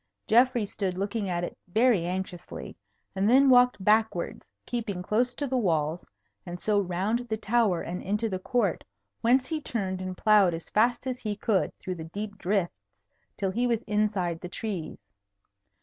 Geoffrey stood looking at it very anxiously, and then walked backwards, keeping close to the walls, and so round the tower and into the court, whence he turned and ploughed as fast as he could through the deep drifts till he was inside the trees.